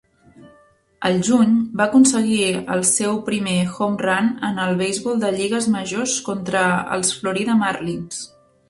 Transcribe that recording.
Al juny, va aconseguir el seu primer home run en el beisbol de lligues majors contra els Florida Marlins